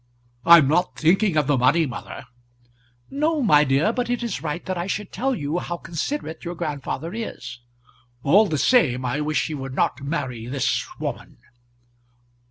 "I'm not thinking of the money, mother." "No, my dear; but it is right that I should tell you how considerate your grandfather is." "All the same, I wish he would not marry this woman."